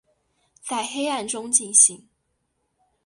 在黑暗中进行